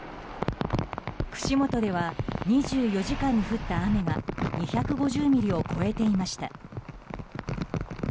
串本では２４時間に降った雨が２５０ミリを超えていました。